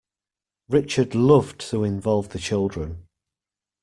Richard loved to involve the children.